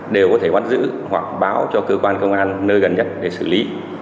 đều có thể bắt giữ hoặc báo cho cơ quan công an nơi gần nhất để xử lý